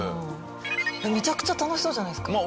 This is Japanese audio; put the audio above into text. めちゃくちゃ楽しそうじゃないですか？